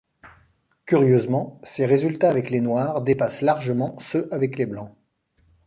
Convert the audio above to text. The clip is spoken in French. Curieusement, ses résultats avec les Noirs dépassent largement ceux avec les Blancs.